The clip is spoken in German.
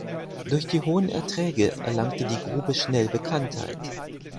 Durch die hohen Erträge erlangte die Grube schnell Bekanntheit.